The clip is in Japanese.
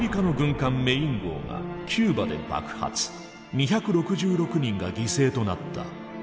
２６６人が犠牲となった。